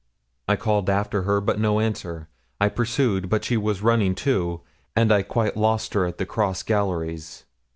I called after her, but no answer; I pursued, but she was running too; and I quite lost her at the cross galleries.